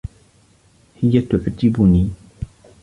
هي تعجبني.